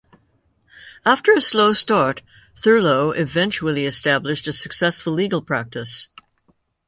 After a slow start, Thurlow eventually established a successful legal practice.